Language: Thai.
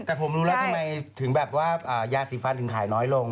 แต่ผมรู้แล้วทำไมถึงแบบว่ายาสีฟันถึงขายน้อยลง